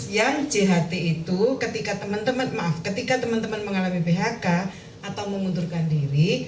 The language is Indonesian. yang jht itu ketika teman teman mengalami phk atau mengundurkan diri